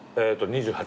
２８。